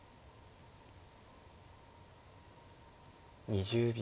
２０秒。